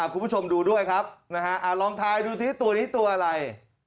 คุณผู้ชมดูด้วยครับนะฮะลองทายดูสิตัวนี้ตัวอะไร